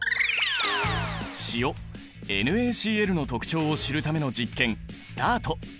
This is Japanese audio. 塩ＮａＣｌの特徴を知るための実験スタート！